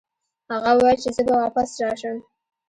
هغه وویل چې زه به واپس راشم.